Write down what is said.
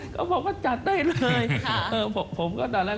ก็บอกว่าจัดได้เลย